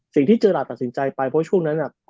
สิ่งที่เจอร์หลัดตัดสินใจไปเพราะช่วงนั้นน่ะ